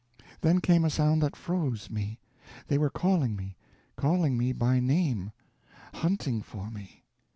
Then came a sound that froze me. They were calling me calling me by name hunting for me!